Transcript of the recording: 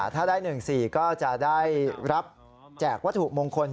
ถ้าได้๑๔ก็จะได้รับแจกวัตถุมงคล